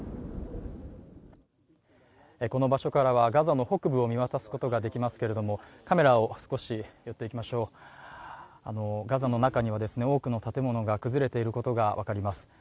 この場所からはガザの北部を見渡すことができますけれども、カメラを少し、いきましょう、ガザの中には多くの建物が崩れていることが分かります。